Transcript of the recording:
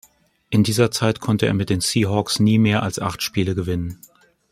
In dieser Zeit konnte er mit den Seahawks nie mehr als acht Spiele gewinnen.